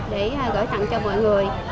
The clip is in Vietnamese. để gửi thẳng cho mọi người